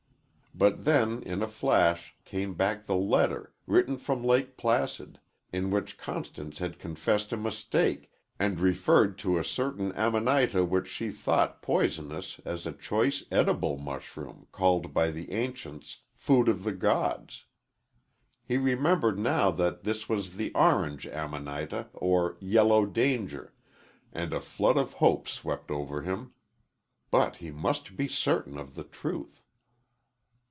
But then, in a flash, came back the letter, written from Lake Placid, in which Constance had confessed a mistake, and referred to a certain Amanita which she had thought poisonous as a choice edible mushroom, called by the ancients "food of the gods." He remembered now that this was the Orange Amanita or "Yellow Danger," and a flood of hope swept over him; but he must be certain of the truth.